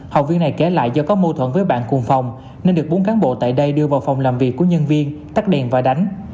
học viên này kể lại do có mâu thuẫn với bạn cùng phòng nên được bốn cán bộ tại đây đưa vào phòng làm việc của nhân viên tắt đèn và đánh